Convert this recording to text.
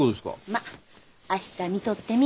まっ明日見とってみ。